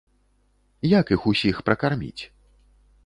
Як іх усіх пракарміць?